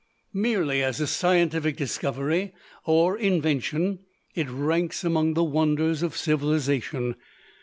Merely as a scientific discovery or invention, it ranks among the wonders of civilization.